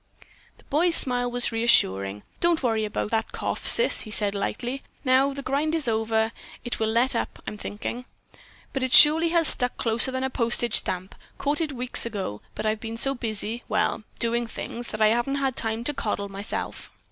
The boy's smile was reassuring. "Don't worry about that cough, sis," he said lightly. "Now the grind is over, it will let up, I'm thinking. But it surely has stuck closer than a postage stamp. Caught it weeks ago, but I've been so busy, well, doing things, that I haven't had time to coddle myself."